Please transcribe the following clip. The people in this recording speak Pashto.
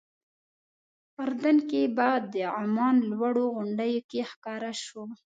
اردن کې به د عمان لوړو غونډیو کې ښکاره شو.